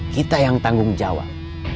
kita yang tanggung jawab